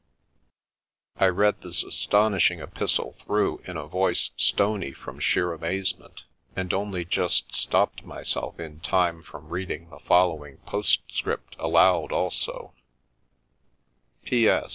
I read this astonishing epistle through in a voice stony from sheer amazement, and only just stopped myself in time from reading the following postscript aloud also :" P.S.